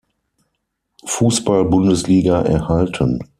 Fußball-Bundesliga erhalten.